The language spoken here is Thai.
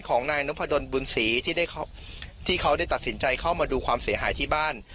ของนายนพดลบุญศรีที่เขาได้ตัดสินใจเข้ามาดูความเสียหายที่บ้าน